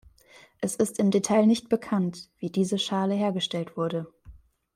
Es ist im Detail nicht bekannt, wie diese Schale hergestellt wurde.